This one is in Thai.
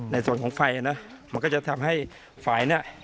ในส่วนของไฟนะมันก็จะทำให้ฝ่ายเนี่ย